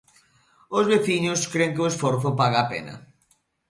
Os veciños cren que o esforzo paga a pena.